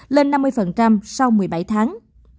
lên năm mươi sau một mươi bảy tháng